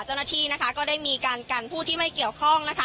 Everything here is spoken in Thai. เจ้าหน้าที่นะคะก็ได้มีการกันผู้ที่ไม่เกี่ยวข้องนะคะ